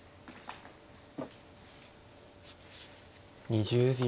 ２０秒。